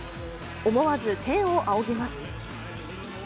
思わず天を仰ぎます。